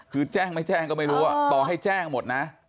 คือแจ้งไม่แจ้งก็ไม่รู้ต่อให้แจ้งหมดนะ